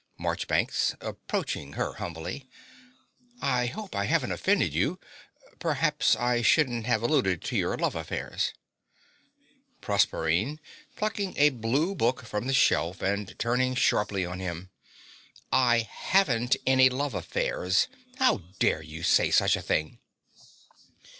MARCHBANKS (approaching her humbly). I hope I haven't offended you. Perhaps I shouldn't have alluded to your love affairs. PROSERPINE (plucking a blue book from the shelf and turning sharply on him). I haven't any love affairs. How dare you say such a thing?